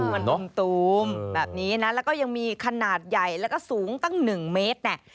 มันตูมแบบนี้นะแล้วก็ยังมีขนาดใหญ่แล้วก็สูงตั้ง๑เมตรเนี่ย